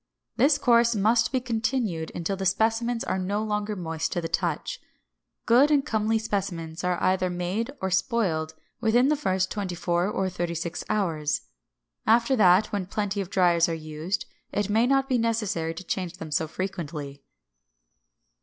This course must be continued until the specimens are no longer moist to the touch. Good and comely specimens are either made or spoiled within the first twenty four or thirty six hours. After that, when plenty of driers are used, it may not be necessary to change them so frequently.